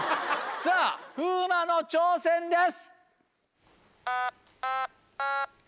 さぁ風磨の挑戦です！